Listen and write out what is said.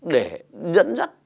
để dẫn dắt